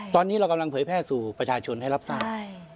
ตอนนี้เรากำลังเผยแพร่สู่ประชาชนให้รับทราบ